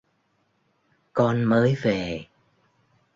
con mới về